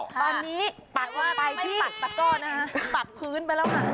ตอนนี้ปักลงไปที่ปักตะก้อนะฮะปักพื้นไปแล้วค่ะ